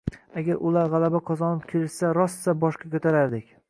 Agar ular gʻalaba qozonib kelishsa rossa boshga koʻtarardik.